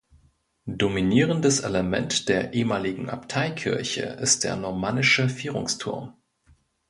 Dominierendes Element der ehemaligen Abteikirche ist der normannische Vierungsturm.